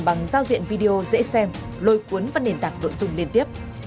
bằng giao diện video dễ xem lôi cuốn vào nền tảng nội dung liên tiếp